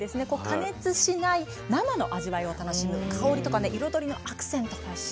加熱しない生の味わいを楽しむ香りとか彩りのアクセントにバッチリです。